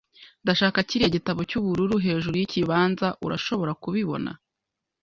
Ndashaka kiriya gitabo cyubururu hejuru yikibanza. Urashobora kubibona?